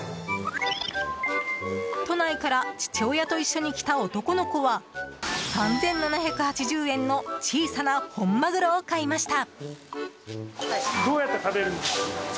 都内から父親と一緒に来た男の子は３７８０円の小さな本マグロを買いました。